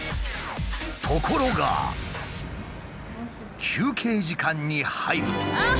ところが休憩時間に入ると。